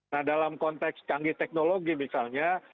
nah dalam konteks canggih teknologi misalnya